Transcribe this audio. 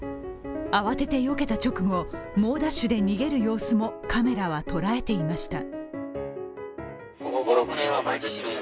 慌ててよけた直後、猛ダッシュで逃げる様子もカメラは捉えていました。